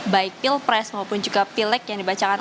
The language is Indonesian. baik pilpres maupun juga pilek yang dibacakan